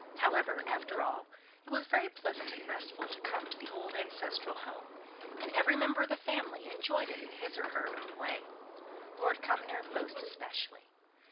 Somehow, after all, it was very pleasant and restful to come to the old ancestral home, and every member of the family enjoyed it in his or her own way; Lord Cumnor most especially.